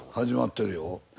始まってるよ。